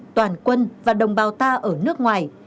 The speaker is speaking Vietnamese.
toàn quân và đồng bào ta ở nước ngoài